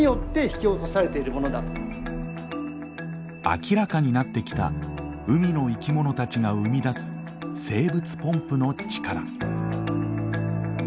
明らかになってきた海の生き物たちが生み出す生物ポンプの力。